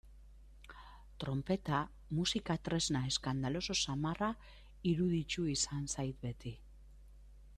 Tronpeta musika tresna eskandaloso samarra iruditu izan zait beti.